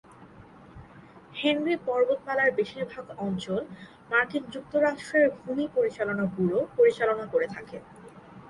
Henry পর্বতমালার বেশীরভাগ অঞ্চল মার্কিন যুক্তরাষ্ট্রের ভূমি পরিচালনা ব্যুরো পরিচালনা করে থাকে।